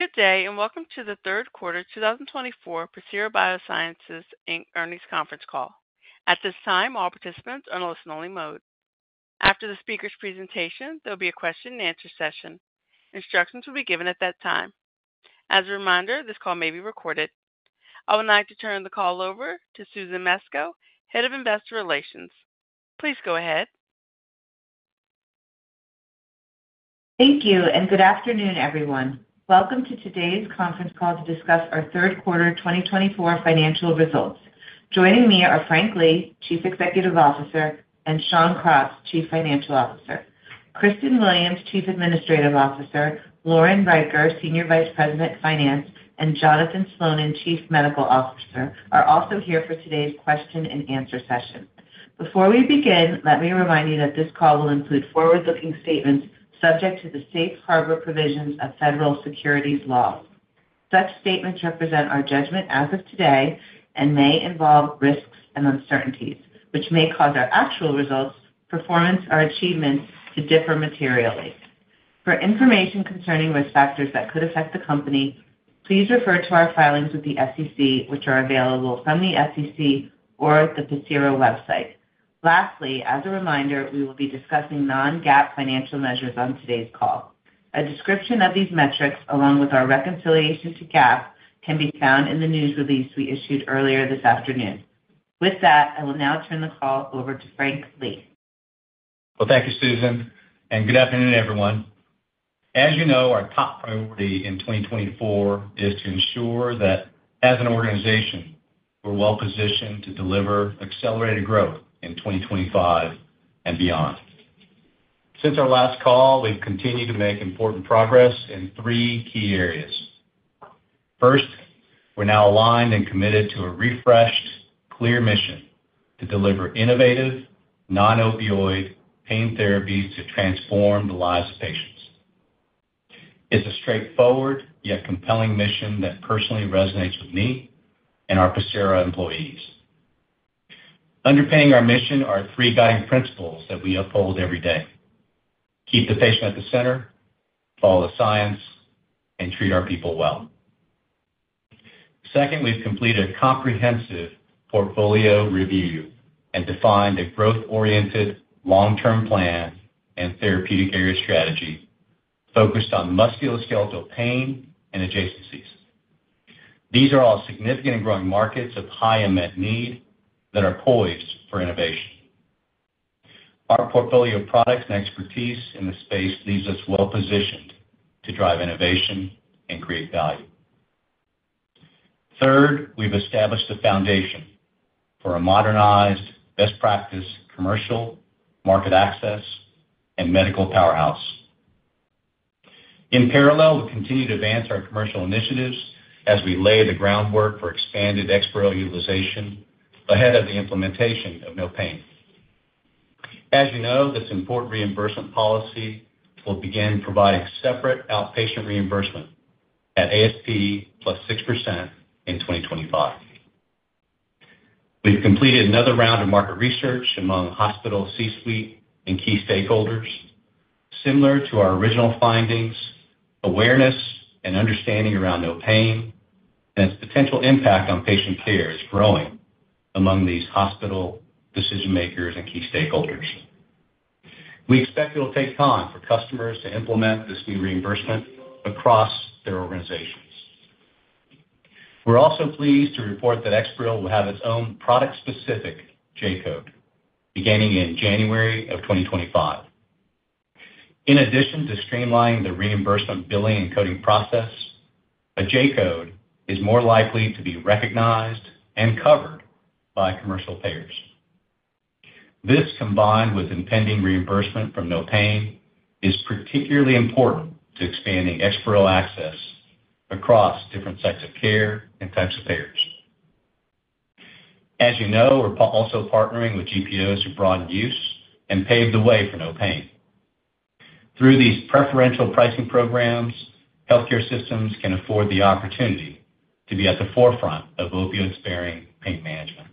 Good day, and welcome to the third quarter 2024 Pacira BioSciences Inc. Earnings Conference Call. At this time, all participants are in a listen-only mode. After the speaker's presentation, there will be a question-and-answer session. Instructions will be given at that time. As a reminder, this call may be recorded. I would like to turn the call over to Susan Mesco, Head of Investor Relations. Please go ahead. Thank you, and good afternoon, everyone. Welcome to today's conference call to discuss our third quarter 2024 financial results. Joining me are Frank Lee, Chief Executive Officer, and Shawn Cross, Chief Financial Officer. Kristen Williams, Chief Administrative Officer, Lauren Riker, Senior Vice President Finance, and Jonathan Slonin, Chief Medical Officer, are also here for today's question-and-answer session. Before we begin, let me remind you that this call will include forward-looking statements subject to the safe harbor provisions of federal securities law. Such statements represent our judgment as of today and may involve risks and uncertainties, which may cause our actual results, performance, or achievements to differ materially. For information concerning risk factors that could affect the company, please refer to our filings with the SEC, which are available from the SEC or the Pacira website. Lastly, as a reminder, we will be discussing non-GAAP financial measures on today's call. A description of these metrics, along with our reconciliation to GAAP, can be found in the news release we issued earlier this afternoon. With that, I will now turn the call over to Frank Lee. Thank you, Susan, and good afternoon, everyone. As you know, our top priority in 2024 is to ensure that, as an organization, we're well-positioned to deliver accelerated growth in 2025 and beyond. Since our last call, we've continued to make important progress in three key areas. First, we're now aligned and committed to a refreshed, clear mission to deliver innovative, non-opioid pain therapies to transform the lives of patients. It's a straightforward yet compelling mission that personally resonates with me and our Pacira employees. Underpinning our mission are three guiding principles that we uphold every day: keep the patient at the center, follow the science, and treat our people well. Second, we've completed a comprehensive portfolio review and defined a growth-oriented, long-term plan and therapeutic area strategy focused on musculoskeletal pain and adjacencies. These are all significant and growing markets of high unmet need that are poised for innovation. Our portfolio of products and expertise in the space leaves us well-positioned to drive innovation and create value. Third, we've established a foundation for a modernized best practice commercial market access and medical powerhouse. In parallel, we continue to advance our commercial initiatives as we lay the groundwork for expanded Exparel utilization ahead of the implementation of NOPAIN. As you know, this important reimbursement policy will begin providing separate outpatient reimbursement at ASP + 6% in 2025. We've completed another round of market research among hospital C-suite and key stakeholders. Similar to our original findings, awareness and understanding around NOPAIN and its potential impact on patient care is growing among these hospital decision-makers and key stakeholders. We expect it will take time for customers to implement this new reimbursement across their organizations. We're also pleased to report that Exparel will have its own product-specific J-code beginning in January of 2025. In addition to streamlining the reimbursement billing and coding process, a J-code is more likely to be recognized and covered by commercial payers. This, combined with impending reimbursement from NOPAIN, is particularly important to expanding Exparel access across different sites of care and types of payers. As you know, we're also partnering with GPOs who broaden use and pave the way for NOPAIN. Through these preferential pricing programs, healthcare systems can afford the opportunity to be at the forefront of opioid-sparing pain management.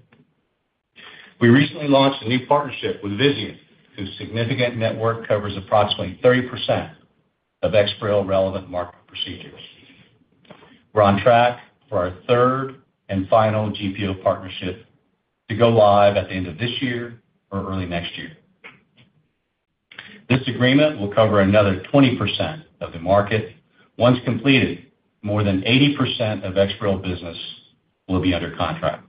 We recently launched a new partnership with Vizient, whose significant network covers approximately 30% of Exparel-relevant market procedures. We're on track for our third and final GPO partnership to go live at the end of this year or early next year. This agreement will cover another 20% of the market. Once completed, more than 80% of Exparel business will be under contract.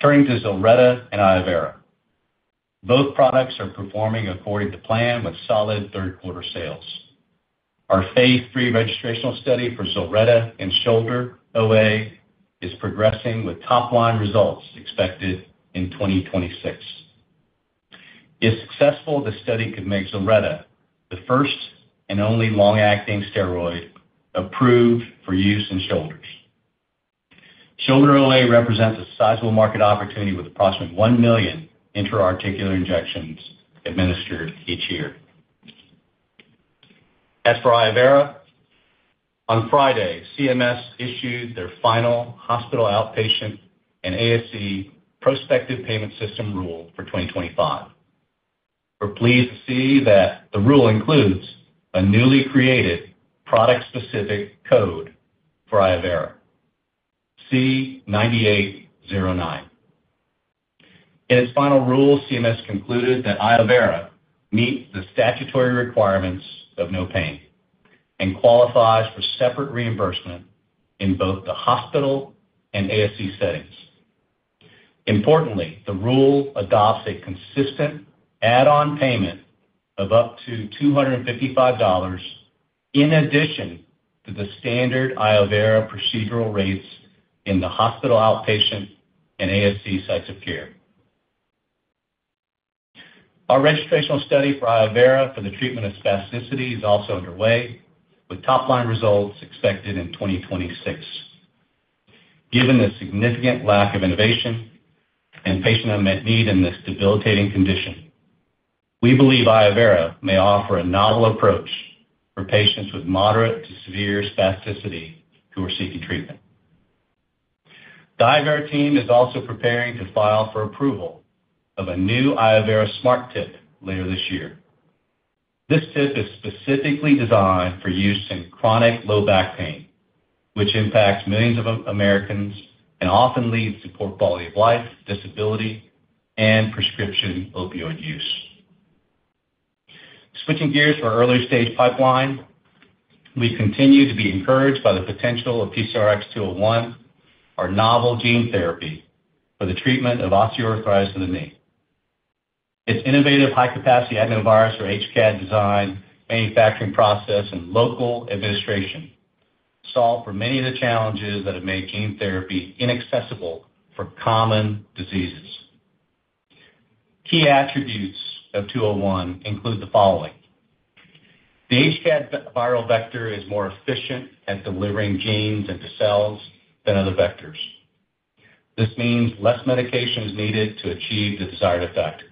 Turning to Zilretta and iovera, both products are performing according to plan with solid third-quarter sales. Our phase III registrational study for Zilretta and Shoulder OA is progressing with top-line results expected in 2026. If successful, the study could make Zilretta the first and only long-acting steroid approved for use in shoulders. Shoulder OA represents a sizable market opportunity with approximately 1 million intra-articular injections administered each year. As for iovera, on Friday, CMS issued their final hospital outpatient and ASC prospective payment system rule for 2025. We're pleased to see that the rule includes a newly created product-specific code for iovera, C9809. In its final rule, CMS concluded that iovera meets the statutory requirements of NOPAIN and qualifies for separate reimbursement in both the hospital and ASC settings. Importantly, the rule adopts a consistent add-on payment of up to $255 in addition to the standard iovera procedural rates in the hospital outpatient and ASC sites of care. Our registrational study for iovera for the treatment of spasticity is also underway, with top-line results expected in 2026. Given the significant lack of innovation and patient unmet need in this debilitating condition, we believe iovera may offer a novel approach for patients with moderate to severe spasticity who are seeking treatment. The iovera team is also preparing to file for approval of a new iovera Smart Tip later this year. This tip is specifically designed for use in chronic low back pain, which impacts millions of Americans and often leads to poor quality of life, disability, and prescription opioid use. Switching gears for our early-stage pipeline, we continue to be encouraged by the potential of PCRX-201, our novel gene therapy for the treatment of osteoarthritis of the knee. Its innovative high-capacity adenovirus or HCAD design, manufacturing process, and local administration solve for many of the challenges that have made gene therapy inaccessible for common diseases. Key attributes of 201 include the following: the HCAD viral vector is more efficient at delivering genes into cells than other vectors. This means less medication is needed to achieve the desired effect.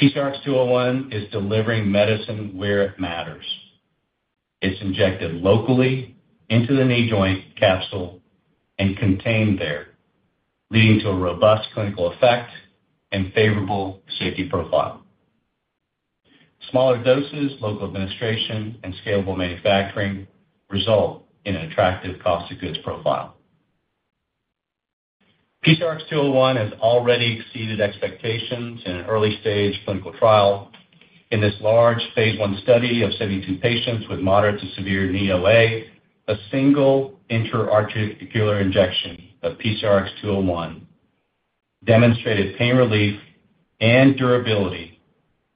PCRX-201 is delivering medicine where it matters. It's injected locally into the knee joint capsule and contained there, leading to a robust clinical effect and favorable safety profile. Smaller doses, local administration, and scalable manufacturing result in an attractive cost-of-goods profile. PCRX-201 has already exceeded expectations in an early-stage clinical trial. In this large phase I study of 72 patients with moderate to severe knee OA, a single intra-articular injection of PCRX-201 demonstrated pain relief and durability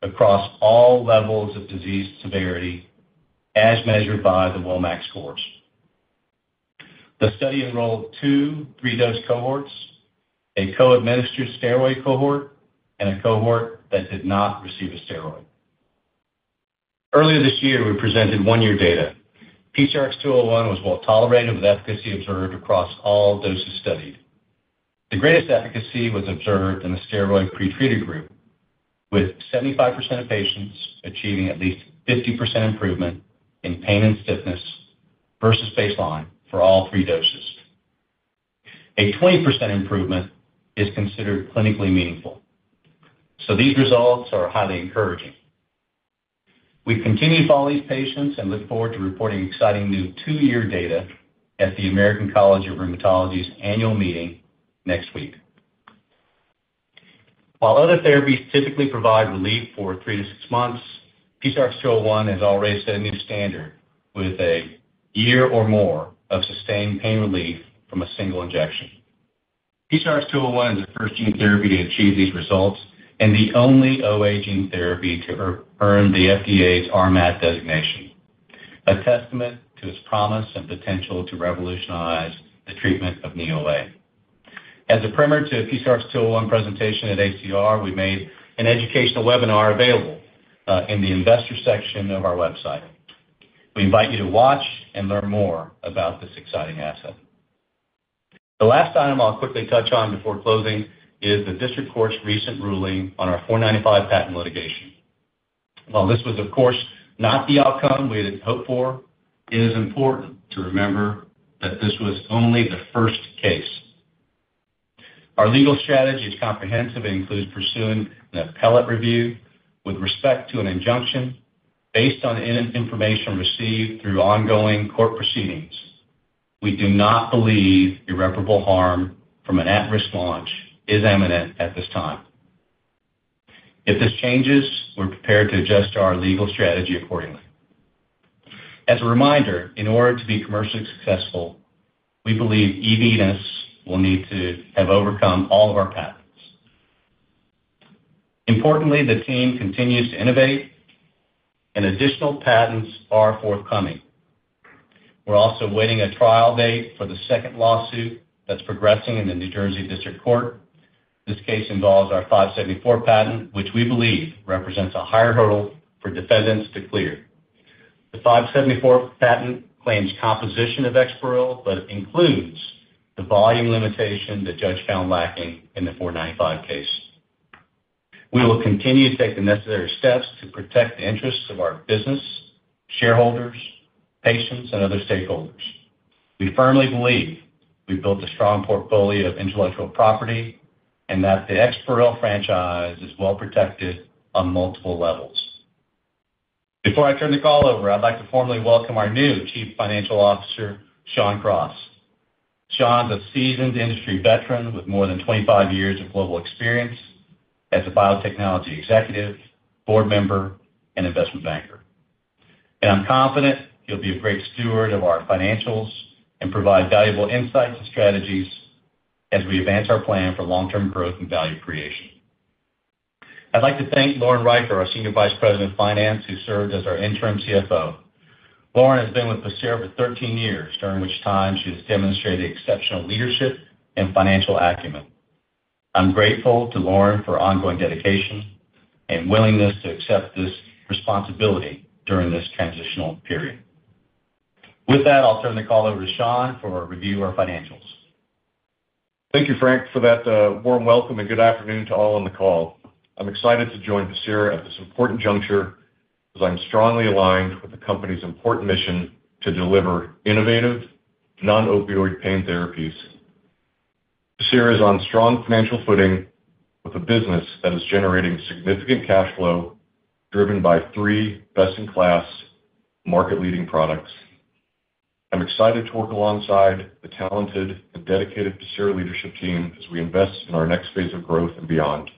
across all levels of disease severity, as measured by the WOMAC scores. The study enrolled two three-dose cohorts: a co-administered steroid cohort and a cohort that did not receive a steroid. Earlier this year, we presented one-year data. PCRX-201 was well tolerated with efficacy observed across all doses studied. The greatest efficacy was observed in the steroid pretreated group, with 75% of patients achieving at least 50% improvement in pain and stiffness versus baseline for all three doses. A 20% improvement is considered clinically meaningful, so these results are highly encouraging. We continue to follow these patients and look forward to reporting exciting new two-year data at the American College of Rheumatology's annual meeting next week. While other therapies typically provide relief for three to six months, PCRX-201 has already set a new standard with a year or more of sustained pain relief from a single injection. PCRX-201 is the first gene therapy to achieve these results and the only OA gene therapy to earn the FDA's RMAT designation, a testament to its promise and potential to revolutionize the treatment of knee OA. As a primer to PCRX-201 presentation at ACR, we made an educational webinar available in the investor section of our website. We invite you to watch and learn more about this exciting asset. The last item I'll quickly touch on before closing is the district court's recent ruling on our '495 patent litigation. While this was, of course, not the outcome we had hoped for, it is important to remember that this was only the first case. Our legal strategy is comprehensive and includes pursuing an appellate review with respect to an injunction based on information received through ongoing court proceedings. We do not believe irreparable harm from an at-risk launch is imminent at this time. If this changes, we're prepared to adjust our legal strategy accordingly. As a reminder, in order to be commercially successful, we believe eVenus will need to have overcome all of our patents. Importantly, the team continues to innovate, and additional patents are forthcoming. We're also waiting a trial date for the second lawsuit that's progressing in the New Jersey district court. This case involves our '574 patent, which we believe represents a higher hurdle for defendants to clear. The '574 patent claims composition of Exparel, but includes the volume limitation the judge found lacking in the '495 case. We will continue to take the necessary steps to protect the interests of our business, shareholders, patients, and other stakeholders. We firmly believe we've built a strong portfolio of intellectual property and that the Exparel franchise is well protected on multiple levels. Before I turn the call over, I'd like to formally welcome our new Chief Financial Officer, Shawn Cross. Shawn's a seasoned industry veteran with more than 25 years of global experience as a biotechnology executive, board member, and investment banker. And I'm confident he'll be a great steward of our financials and provide valuable insights and strategies as we advance our plan for long-term growth and value creation. I'd like to thank Lauren Riker, our Senior Vice President of Finance, who served as our interim CFO. Lauren has been with Pacira for 13 years, during which time she has demonstrated exceptional leadership and financial acumen. I'm grateful to Lauren for ongoing dedication and willingness to accept this responsibility during this transitional period. With that, I'll turn the call over to Shawn for a review of our financials. Thank you, Frank, for that warm welcome, and good afternoon to all on the call. I'm excited to join Pacira at this important juncture as I'm strongly aligned with the company's important mission to deliver innovative non-opioid pain therapies. Pacira is on strong financial footing with a business that is generating significant cash flow driven by three best-in-class, market-leading products. I'm excited to work alongside the talented and dedicated Pacira leadership team as we invest in our next phase of growth and beyond.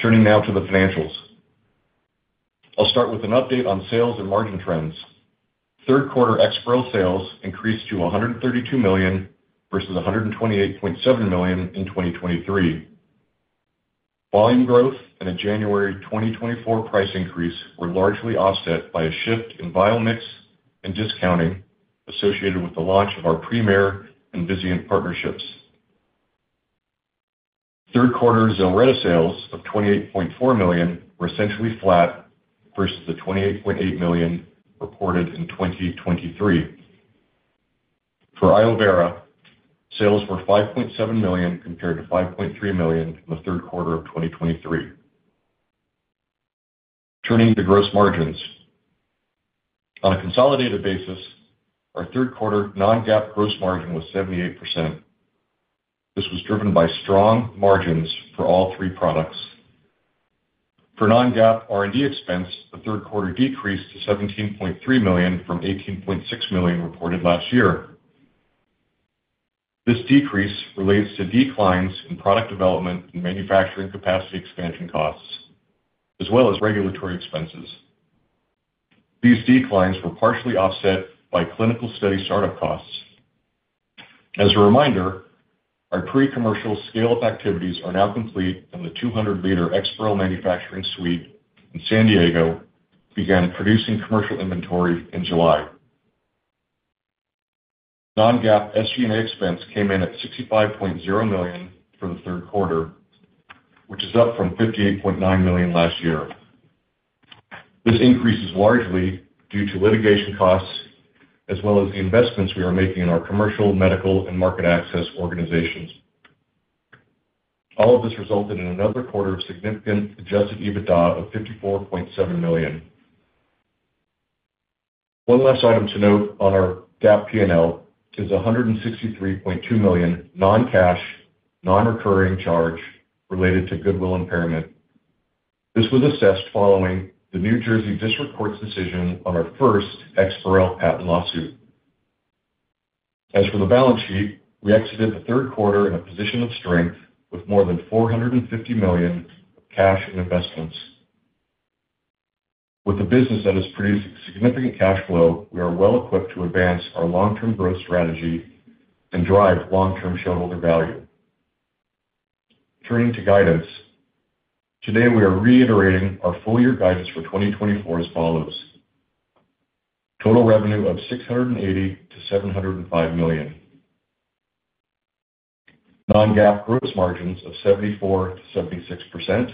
Turning now to the financials, I'll start with an update on sales and margin trends. Third-quarter Exparel sales increased to $132 million versus $128.7 million in 2023. Volume growth and a January 2024 price increase were largely offset by a shift in vial mix and discounting associated with the launch of our Premier and Vizient partnerships. Third-quarter Zilretta sales of $28.4 million were essentially flat versus the $28.8 million reported in 2023. For iovera, sales were $5.7 million compared to $5.3 million in the third quarter of 2023. Turning to gross margins, on a consolidated basis, our third-quarter non-GAAP gross margin was 78%. This was driven by strong margins for all three products. For non-GAAP R&D expense, the third quarter decreased to $17.3 million from $18.6 million reported last year. This decrease relates to declines in product development and manufacturing capacity expansion costs, as well as regulatory expenses. These declines were partially offset by clinical study startup costs. As a reminder, our pre-commercial scale-up activities are now complete in the 200-liter Exparel manufacturing suite in San Diego, which began producing commercial inventory in July. Non-GAAP SG&A expense came in at $65.0 million for the third quarter, which is up from $58.9 million last year. This increase is largely due to litigation costs as well as the investments we are making in our commercial, medical, and market access organizations. All of this resulted in another quarter of significant Adjusted EBITDA of $54.7 million. One last item to note on our GAAP P&L is $163.2 million non-cash, non-recurring charge related to goodwill impairment. This was assessed following the New Jersey district court's decision on our first Exparel patent lawsuit. As for the balance sheet, we exited the third quarter in a position of strength with more than $450 million cash and investments. With a business that is producing significant cash flow, we are well-equipped to advance our long-term growth strategy and drive long-term shareholder value. Turning to guidance, today we are reiterating our full-year guidance for 2024 as follows: total revenue of $680 million-$705 million, non-GAAP gross margins of 74%-76%,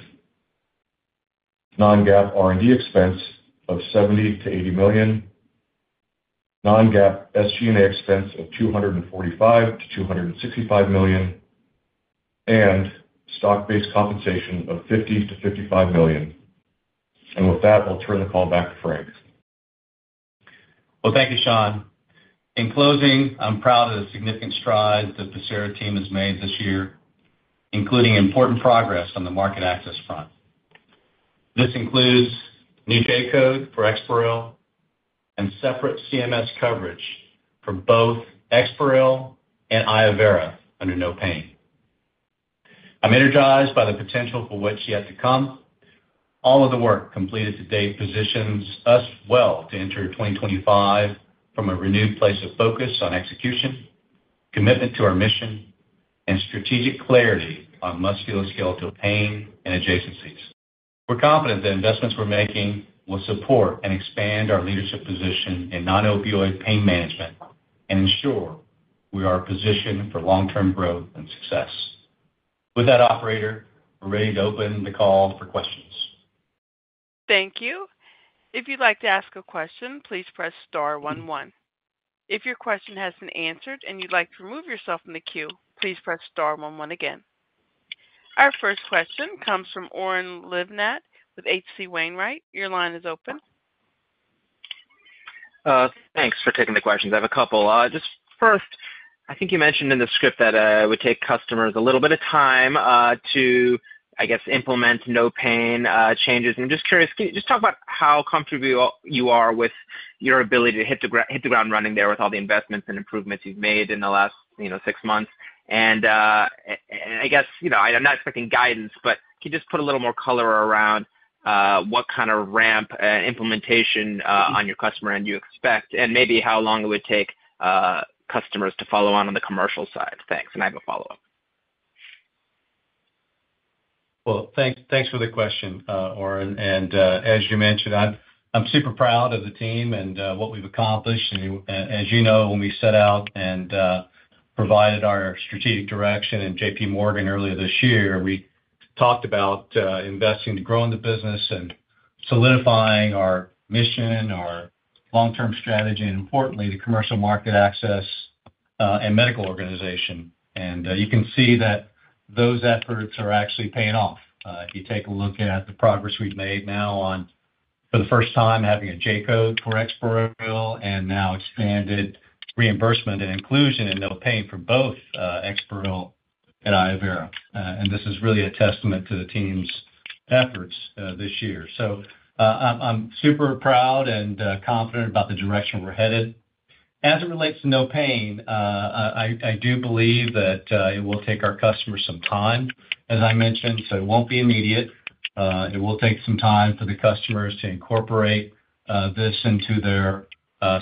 non-GAAP R&D expense of $70 million-$80 million, non-GAAP SG&A expense of $245 million-$265 million, and stock-based compensation of $50 million-$55 million. With that, I'll turn the call back to Frank. Thank you, Shawn. In closing, I'm proud of the significant strides the Pacira team has made this year, including important progress on the market access front. This includes new J-code for Exparel and separate CMS coverage for both Exparel and iovera under NOPAIN Act. I'm energized by the potential for what's yet to come. All of the work completed to date positions us well to enter 2025 from a renewed place of focus on execution, commitment to our mission, and strategic clarity on musculoskeletal pain and adjacencies. We're confident the investments we're making will support and expand our leadership position in non-opioid pain management and ensure we are positioned for long-term growth and success. With that, operator, we're ready to open the call for questions. Thank you. If you'd like to ask a question, please press star one one. If your question hasn't been answered and you'd like to remove yourself from the queue, please press star 11 again. Our first question comes from Oren Livnat with H.C. Wainwright. Your line is open. Thanks for taking the questions. I have a couple. Just first, I think you mentioned in the script that it would take customers a little bit of time to, I guess, implement NOPAIN changes. I'm just curious, can you just talk about how comfortable you are with your ability to hit the ground running there with all the investments and improvements you've made in the last six months? And I guess I'm not expecting guidance, but can you just put a little more color around what kind of ramp and implementation on your customer end you expect, and maybe how long it would take customers to follow on the commercial side? Thanks. And I have a follow-up. Well, thanks for the question, Oren. And as you mentioned, I'm super proud of the team and what we've accomplished. And as you know, when we set out and provided our strategic direction in J.P. Morgan earlier this year, we talked about investing to grow in the business and solidifying our mission, our long-term strategy, and importantly, the commercial market access and medical organization. And you can see that those efforts are actually paying off. If you take a look at the progress we've made now on, for the first time, having a J-code for Exparel and now expanded reimbursement and inclusion in NOPAIN for both Exparel and iovera. And this is really a testament to the team's efforts this year. So I'm super proud and confident about the direction we're headed. As it relates to NOPAIN, I do believe that it will take our customers some time, as I mentioned, so it won't be immediate. It will take some time for the customers to incorporate this into their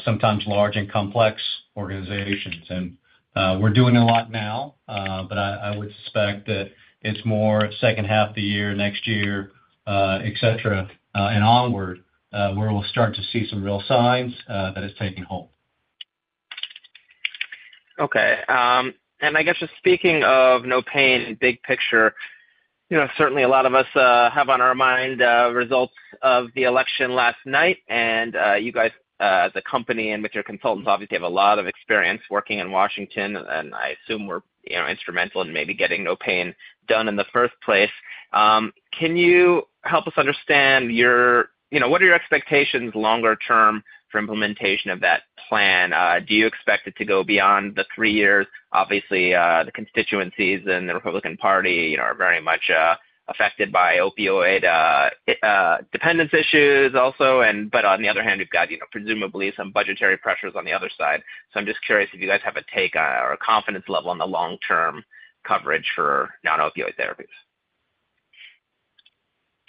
sometimes large and complex organizations. And we're doing a lot now, but I would suspect that it's more second half of the year, next year, etc., and onward where we'll start to see some real signs that it's taking hold. Okay. And I guess just speaking of NOPAIN, big picture, certainly a lot of us have on our mind the results of the election last night. And you guys as a company and with your consultants, obviously, have a lot of experience working in Washington, and I assume we're instrumental in maybe getting NOPAIN done in the first place. Can you help us understand what are your expectations longer term for implementation of that plan? Do you expect it to go beyond the three years? Obviously, the constituencies and the Republican Party are very much affected by opioid dependence issues also, but on the other hand, we've got presumably some budgetary pressures on the other side, so I'm just curious if you guys have a take on our confidence level on the long-term coverage for non-opioid therapies.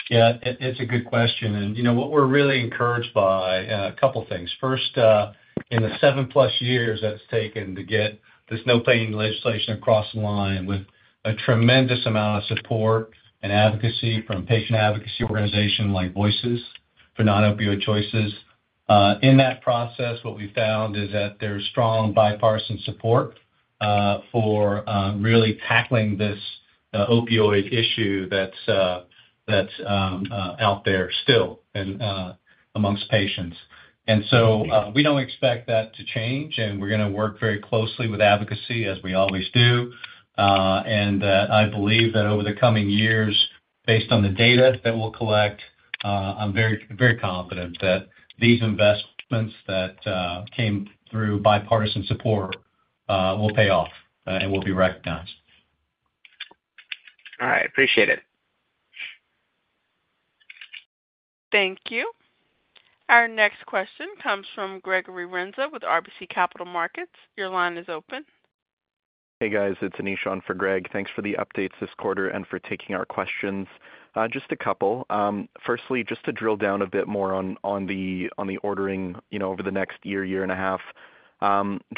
Yeah, it's a good question, and what we're really encouraged by are a couple of things. First, in the seven-plus years that it's taken to get this NOPAIN All right. Appreciate it. Thank you. Our next question comes from Anish with RBC Capital Markets. Your line is open. Hey, guys. It's Anish for Greg. Thanks for the updates this quarter and for taking our questions. Just a couple. Firstly, just to drill down a bit more on the ordering over the next year, year and a half.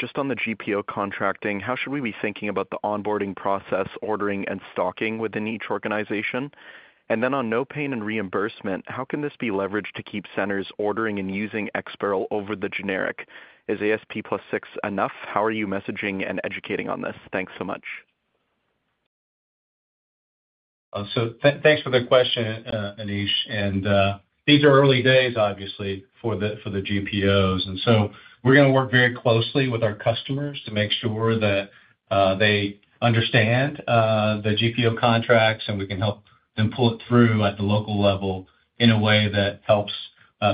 Just on the GPO contracting, how should we be thinking about the onboarding process, ordering, and stocking within each organization? And then on NOPAIN and reimbursement, how can this be leveraged to keep centers ordering and using Exparel over the generic? Is ASP + 6% enough? How are you messaging and educating on this? Thanks so much. So thanks for the question, Anish. And these are early days, obviously, for the GPOs. And so we're going to work very closely with our customers to make sure that they understand the GPO contracts, and we can help them pull it through at the local level in a way that helps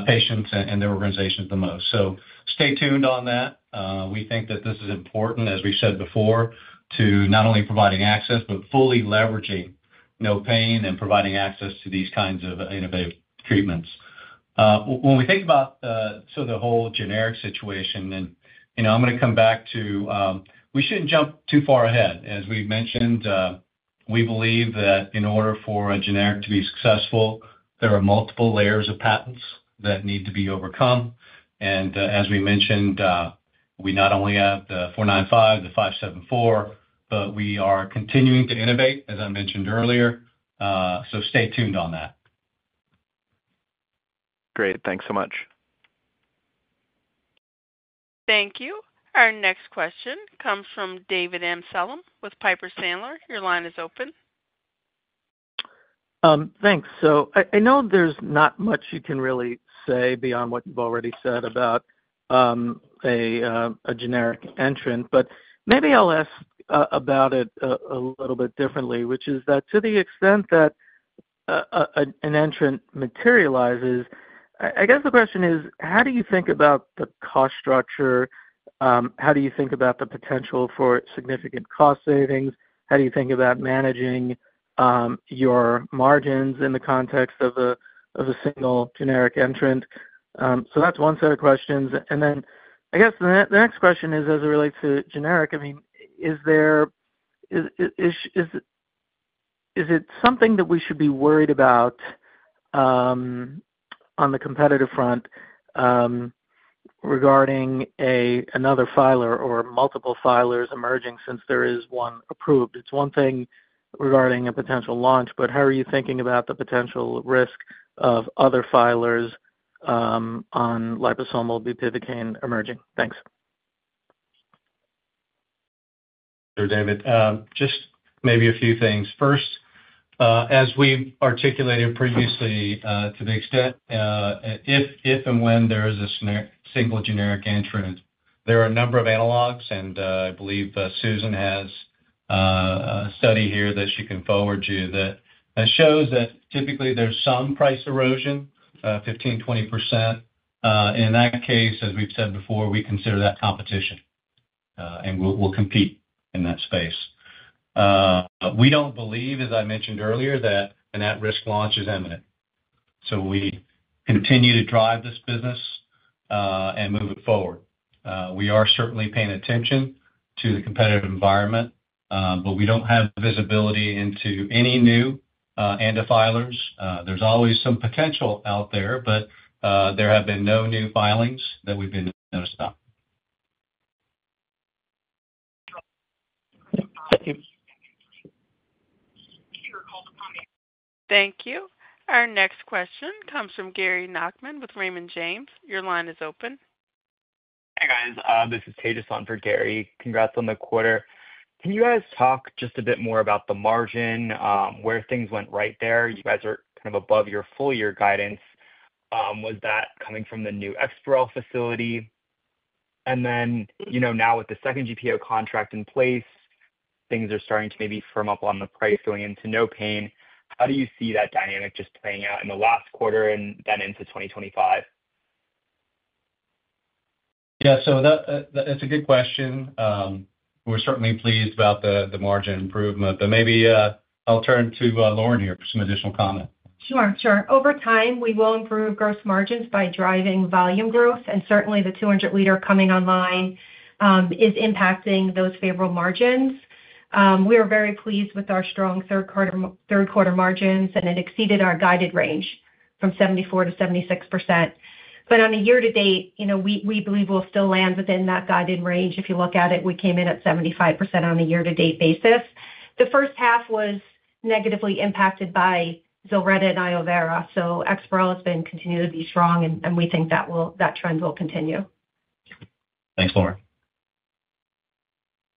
patients and their organizations the most. So stay tuned on that. We think that this is important, as we said before, to not only providing access, but fully leveraging NOPAIN and providing access to these kinds of innovative treatments. When we think about the whole generic situation, and I'm going to come back to we shouldn't jump too far ahead. As we mentioned, we believe that in order for a generic to be successful, there are multiple layers of patents that need to be overcome. As we mentioned, we not only have the 495, the 574, but we are continuing to innovate, as I mentioned earlier. So stay tuned on that. Great. Thanks so much. Thank you. Our next question comes from David Amsellem with Piper Sandler. Your line is open. Thanks. So I know there's not much you can really say beyond what you've already said about a generic entrant, but maybe I'll ask about it a little bit differently, which is that to the extent that an entrant materializes, I guess the question is, how do you think about the cost structure? How do you think about the potential for significant cost savings? How do you think about managing your margins in the context of a single generic entrant? So that's one set of questions. And then I guess the next question is, as it relates to generic, I mean, is it something that we should be worried about on the competitive front regarding another filer or multiple filers emerging since there is one approved? It's one thing regarding a potential launch, but how are you thinking about the potential risk of other filers on liposomal bupivacaine emerging? Thanks. Sure, David. Just maybe a few things. First, as we've articulated previously, to the extent if and when there is a single generic entrant, there are a number of analogs, and I believe Susan has a study here that she can forward you that shows that typically there's some price erosion, 15%-20%. In that case, as we've said before, we consider that competition, and we'll compete in that space. We don't believe, as I mentioned earlier, that an at-risk launch is imminent. So we continue to drive this business and move it forward. We are certainly paying attention to the competitive environment, but we don't have visibility into any new ANDA filers. There's always some potential out there, but there have been no new filings that we've been noticed on. Thank you. Our next question comes from Tejas with Raymond James. Your line is open. Hey, guys. This is Tejas on for Gary. Congrats on the quarter. Can you guys talk just a bit more about the margin, where things went right there? You guys are kind of above your full-year guidance. Was that coming from the new Exparel facility? And then now with the second GPO contract in place, things are starting to maybe firm up on the price going into NOPAIN. How do you see that dynamic just playing out in the last quarter and then into 2025? Yeah. So that's a good question. We're certainly pleased about the margin improvement, but maybe I'll turn to Lauren here for some additional comment. Sure. Over time, we will improve gross margins by driving volume growth, and certainly, the 200-liter coming online is impacting those favorable margins. We are very pleased with our strong third-quarter margins, and it exceeded our guided range from 74%-76%. But on a year-to-date, we believe we'll still land within that guided range. If you look at it, we came in at 75% on a year-to-date basis. The first half was negatively impacted by Zilretta and Iovera, so Exparel has been continued to be strong, and we think that trend will continue. Thanks, Lauren.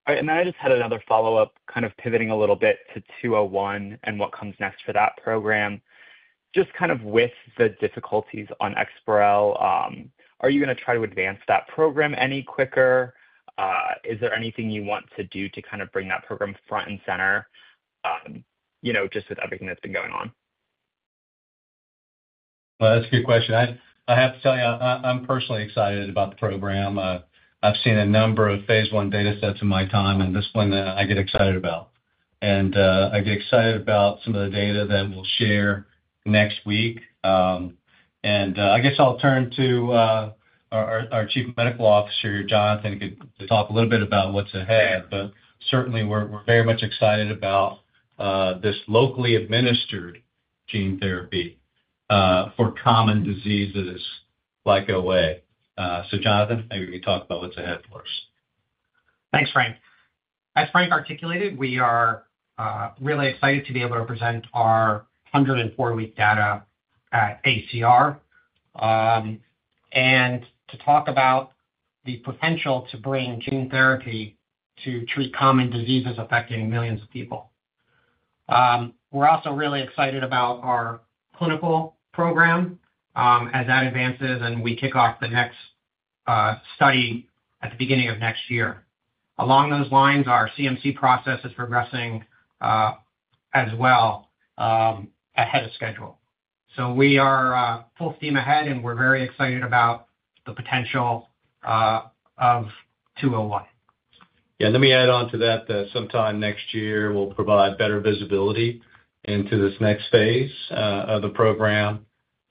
All right. I just had another follow-up, kind of pivoting a little bit to 201 and what comes next for that program. Just kind of with the difficulties on Exparel, are you going to try to advance that program any quicker? Is there anything you want to do to kind of bring that program front and center just with everything that's been going on? That's a good question. I have to tell you, I'm personally excited about the program. I've seen a number of phase one data sets in my time, and this is one that I get excited about. I get excited about some of the data that we'll share next week. I guess I'll turn to our Chief Medical Officer, Jonathan, to talk a little bit about what's ahead. But certainly, we're very much excited about this locally administered gene therapy for common diseases like OA. So, Jonathan, maybe we can talk about what's ahead for us. Thanks, Frank. As Frank articulated, we are really excited to be able to present our 104-week data at ACR and to talk about the potential to bring gene therapy to treat common diseases affecting millions of people. We're also really excited about our clinical program as that advances, and we kick off the next study at the beginning of next year. Along those lines, our CMC process is progressing as well ahead of schedule. So we are full steam ahead, and we're very excited about the potential of 201. Yeah. And let me add on to that that sometime next year, we'll provide better visibility into this next phase of the program.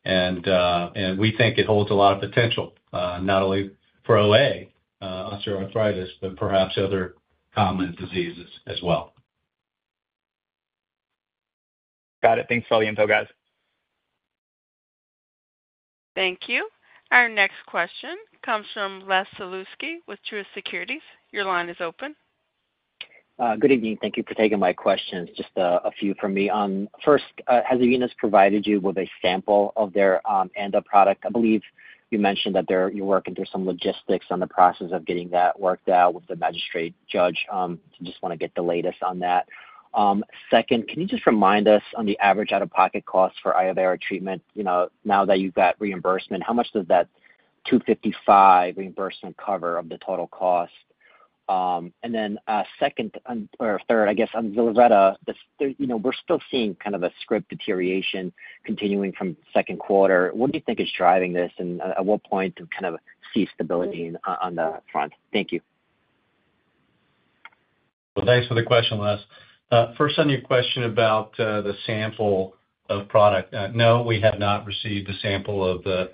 And we think it holds a lot of potential, not only for OA, osteoarthritis, but perhaps other common diseases as well. Got it. Thanks for all the info, guys. Thank you. Our next question comes from Les Sulewski with Truist Securities. Your line is open. Good evening. Thank you for taking my questions. Just a few from me. First, has eVenus provided you with a sample of their ANDA product? I believe you mentioned that you're working through some logistics on the process of getting that worked out with the magistrate judge. Just want to get the latest on that. Second, can you just remind us on the average out-of-pocket cost for iovera treatment? Now that you've got reimbursement, how much does that $255 reimbursement cover of the total cost? And then second or third, I guess, on Zilretta, we're still seeing kind of a script deterioration continuing from second quarter. What do you think is driving this, and at what point do you kind of see stability on that front? Thank you. Thanks for the question, Les. First, on your question about the sample of product, no, we have not received the sample of the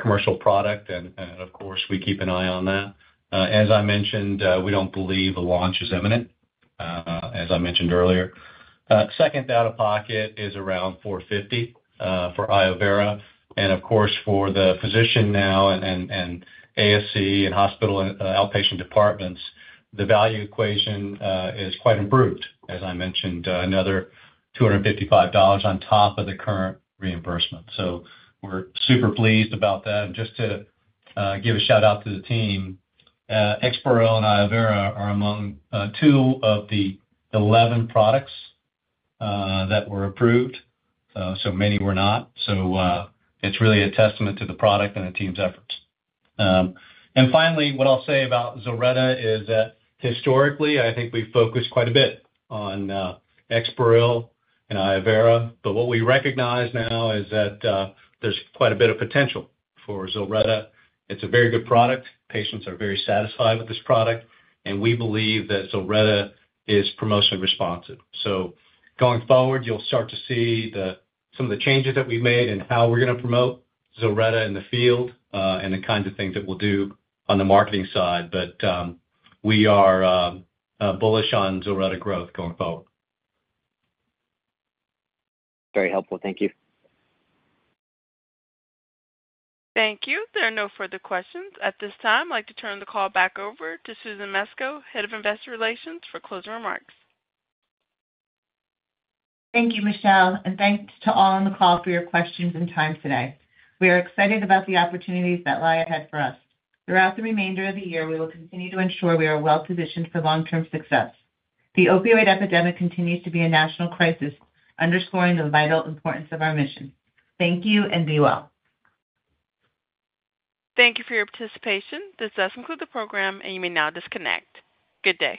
commercial product, and of course, we keep an eye on that. As I mentioned, we don't believe a launch is imminent, as I mentioned earlier. Second, out-of-pocket is around $450 for iovera. And of course, for the physician now and ASC, and hospital outpatient departments, the value equation is quite improved, as I mentioned, another $255 on top of the current reimbursement. We're super pleased about that. Just to give a shout-out to the team, Exparel and iovera are among two of the 11 products that were approved. Many were not. It's really a testament to the product and the team's efforts. Finally, what I'll say about Zilretta is that historically, I think we focused quite a bit on Exparel and iovera, but what we recognize now is that there's quite a bit of potential for Zilretta. It's a very good product. Patients are very satisfied with this product, and we believe that Zilretta is promotionally responsive. Going forward, you'll start to see some of the changes that we've made and how we're going to promote Zilretta in the field and the kinds of things that we'll do on the marketing side. We are bullish on Zilretta growth going forward. Very helpful. Thank you. Thank you. There are no further questions at this time. I'd like to turn the call back over to Susan Mesco, Head of Investor Relations, for closing remarks. Thank you, Michele, and thanks to all on the call for your questions and time today. We are excited about the opportunities that lie ahead for us. Throughout the remainder of the year, we will continue to ensure we are well-positioned for long-term success. The opioid epidemic continues to be a national crisis, underscoring the vital importance of our mission. Thank you and be well. Thank you for your participation. This does conclude the program, and you may now disconnect. Good day.